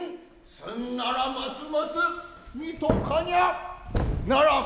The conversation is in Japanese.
すんならますますみとかにゃならん。